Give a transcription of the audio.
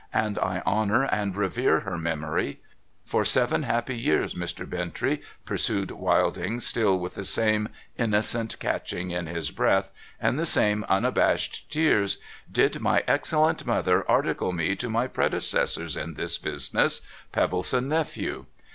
And I honour and revere her memory. For seven happy years, Mr. Bintrey,' pursued Wilding, still with the same innocent catching in his breath, and the same unabashed tears, ' did my excellent mother article me to my predecessors in this business, Pebbleson Nephew.